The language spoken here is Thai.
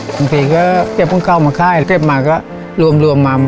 ส่วนที่ก็เก็บของกาวมาค่ายเก็บมาก็รวม